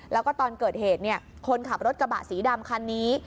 แล้วก็ตอนเกิดเหตุคนขับรถกระบะสีดำคันนี้